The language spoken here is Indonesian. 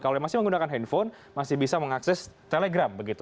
kalau yang masih menggunakan handphone masih bisa mengakses telegram begitu